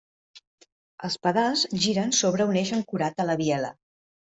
Els pedals giren sobre un eix ancorat a la biela.